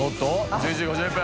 １１時５１分！